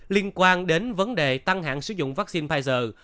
liên quan đến vấn đề tăng hạn sử dụng vaccine pfizer